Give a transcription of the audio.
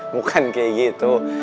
bukan kayak gitu